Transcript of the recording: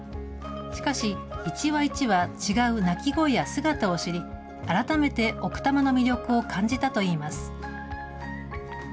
しかし、一羽一羽違う鳴き声や姿を知り、改めて奥多摩の魅力を感じたといいます。